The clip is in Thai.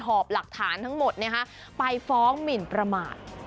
หอบหลักฐานทั้งหมดไปฟ้องหมินประมาท